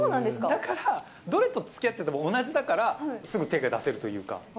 だから、どれとつきあってても同じだから、すぐ手が出せるというか。